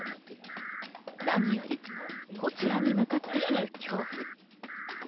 何よりこちらに向かってくる恐怖。